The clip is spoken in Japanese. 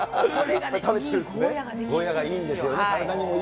ゴーヤがいいんですよね。